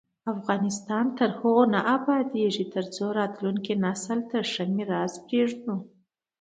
افغانستان تر هغو نه ابادیږي، ترڅو راتلونکي نسل ته ښه میراث پریږدو.